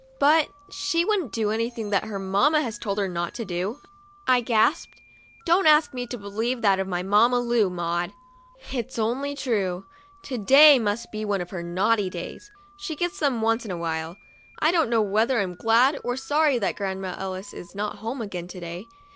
" But she wouldn't do anything that her mamma has told her not to do," I gasped. " Don't ask me to believe that of my Mamma Lu, Maud!" "It's only too true. To day must be one of her naughty days ; she gets them once in a while. I don't know whether I'm glad or sorry that Grandma Ellis is not home again, to day.